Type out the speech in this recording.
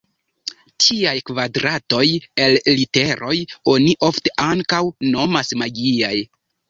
Tiaj kvadratoj el literoj oni ofte ankaŭ nomas magiaj.